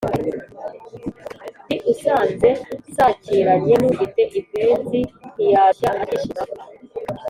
Ndi usanze nsakiranye n'ufite impenzi ntiyarushya angisha impaka